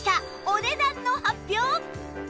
お値段の発表！